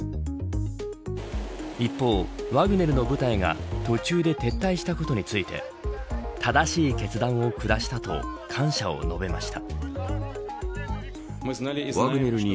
一方、ワグネルの部隊が途中で撤退したことについて正しい決断を下したと感謝を述べました。